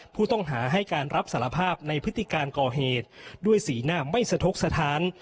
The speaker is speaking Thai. ผู้ต้องหาให้การรับสารภาพในพฤติการก่อเหตุด้วยสีหน้าไม่สะทกสถาน